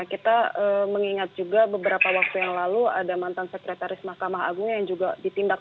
kita mengingat juga beberapa waktu yang lalu ada mantan sekretaris mahkamah agung yang juga ditindak